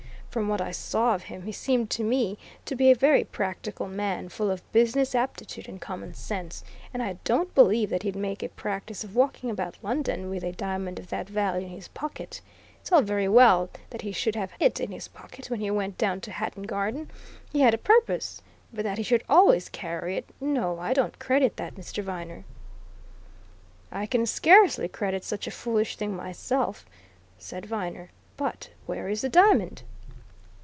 "From what I saw of him, he seemed to me to be a very practical man, full of business aptitude and common sense, and I don't believe that he'd make a practice of walking about London with a diamond of that value in his pocket. It's all very well that he should have it in his pocket when he went down to Hatton Garden he had a purpose. But that he should always carry it no, I don't credit that, Mr. Viner." "I can scarcely credit such a foolish thing myself," said Viner. "But where is the diamond?"